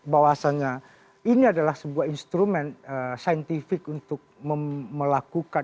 bahwasannya ini adalah sebuah instrumen saintifik untuk melakukan